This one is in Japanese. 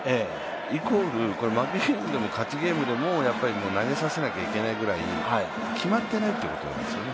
イコール負けゲームでも勝ちゲームでも投げさせなきゃいけないぐらい決まってないってことなんですよね。